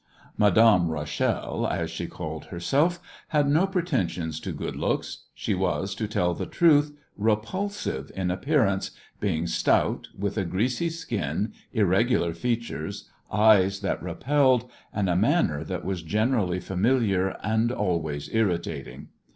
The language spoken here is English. Madame Rachel, as she called herself, had no pretensions to good looks. She was, to tell the truth, repulsive in appearance, being stout, with a greasy skin, irregular features, eyes that repelled, and a manner that was generally familiar and always irritating.